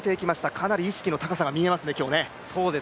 かなり意識の高さが見えますね、今日ね。